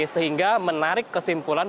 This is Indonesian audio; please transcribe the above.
sehingga menarik kesimpulan